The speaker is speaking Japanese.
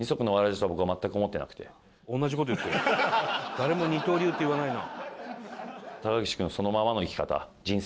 誰も「二刀流」って言わないな。